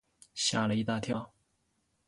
吓了一大跳